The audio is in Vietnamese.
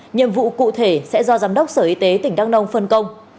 nhiệm vụ cụ thể sẽ do giám đốc sở y tế tỉnh đắk nông phân công